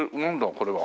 これは。